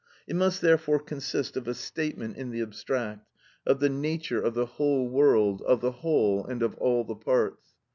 It must therefore consist of a statement in the abstract, of the nature of the whole world, of the whole, and of all the parts.